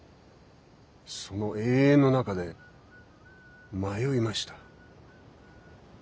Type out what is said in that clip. その永遠の中で迷いました。